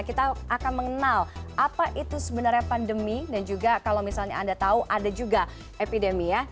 kita akan mengenal apa itu sebenarnya pandemi dan juga kalau misalnya anda tahu ada juga epidemi ya